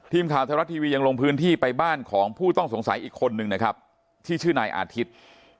ทีมข่าวไทยรัฐทีวียังลงพื้นที่ไปบ้านของผู้ต้องสงสัยอีกคนนึงนะครับที่ชื่อนายอาทิตย์